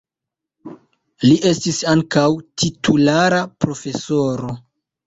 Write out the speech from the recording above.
Li estis ankaŭ titulara profesoro.